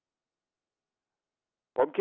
ลูกหลานบอกว่าเรียกรถไปหลายครั้งนะครับ